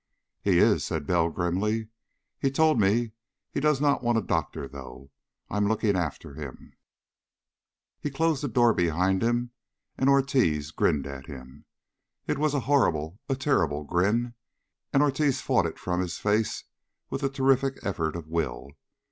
"He is," said Bell grimly. "He told me he does not want a doctor, though. I'm looking after him." He closed the door behind him, and Ortiz grinned at him. It was a horrible, a terrible grin, and Ortiz fought it from his face with a terrific effort of will.